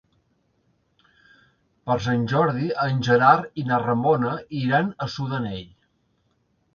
Per Sant Jordi en Gerard i na Ramona iran a Sudanell.